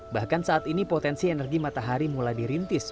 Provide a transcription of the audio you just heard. bahkan saat ini potensi energi matahari mulai dirintis